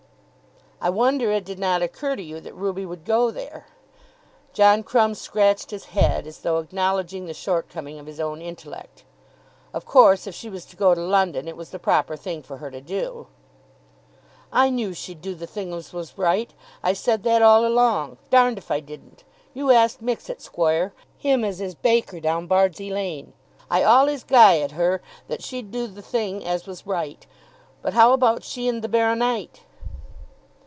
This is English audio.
"I wonder it did not occur to you that Ruby would go there." John Crumb scratched his head, as though acknowledging the shortcoming of his own intellect. "Of course if she was to go to London it was the proper thing for her to do." "I knew she'd do the thing as was right. I said that all along. Darned if I didn't. You ask Mixet, squoire, him as is baker down Bardsey Lane. I allays guv' it her that she'd do the thing as was right. But how about she and the Baro nite?"